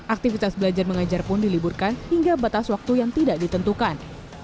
aktivitas belajar mengajar pun diliburkan hingga batas waktu yang tidak ditentukan